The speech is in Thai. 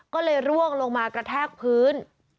ก็เลยร่วงลงมากระแทกพื้น